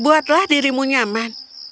buatlah dirimu nyaman